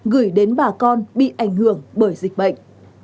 gửi đến bà con bị ảnh hưởng bởi dịch bệnh